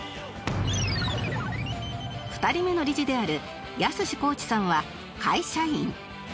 ２人目の理事であるヤスシコーチさんは会社員